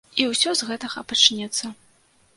І ўсё з гэтага пачнецца.